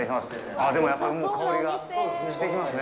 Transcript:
あっ、やっぱりもう香りがしてきますね。